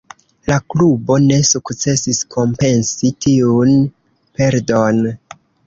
La klubo ne sukcesis kompensi tiun perdon.